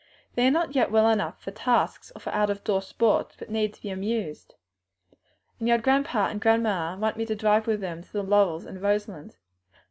They are not yet well enough for tasks or for out door sports, but need to be amused. And your grandpa and grandma want me to drive with them to the Laurels and Roselands."